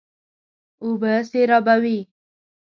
اوبه سېرابوي.